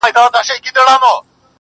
o زړه وه زړه ته لاره لري.